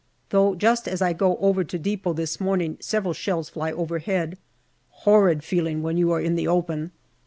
Though just as I go over to depot this morning several shells fly overhead. Horrid feeling when you are in the open.